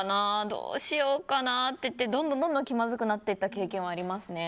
どうしようかなってなってどんどん気まずくなっていった経験はあります。